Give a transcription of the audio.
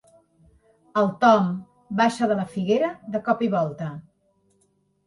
El Tom baixa de la figuera de cop i volta.